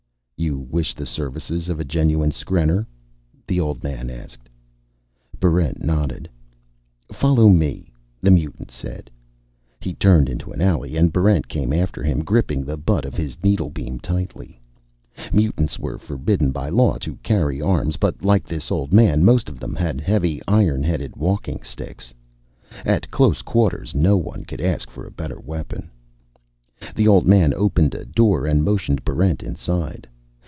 "You wish the services of a genuine skrenner?" the old man asked. Barrent nodded. "Follow me," the mutant said. He turned into an alley, and Barrent came after him, gripping the butt of his needlebeam tightly. Mutants were forbidden by law to carry arms; but like this old man, most of them had heavy, iron headed walking sticks. At close quarters, no one could ask for a better weapon. The old man opened a door and motioned Barrent inside.